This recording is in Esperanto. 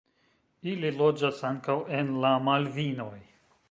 Ili loĝas ankaŭ en la Malvinoj.